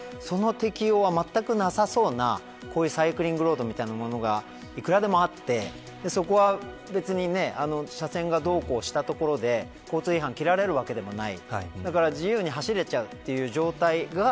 自動車と同じ法律の扱いをされるのにその適用はまったくなさそうなこういうサイクリングロードみたいなものがいくらでもあってそこは別に車線がどうこうしたところで交通違反を切られるわけでもない。